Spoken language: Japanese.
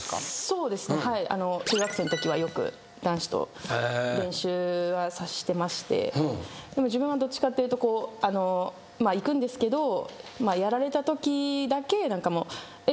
そうですね。中学生のときはよく男子と練習はしてましてでも自分はどっちかっていうといくんですけどやられたときだけ。